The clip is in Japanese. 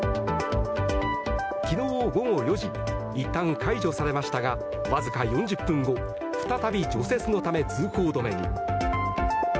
昨日午後４時いったん解除されましたがわずか４０分後再び除雪のため通行止めに。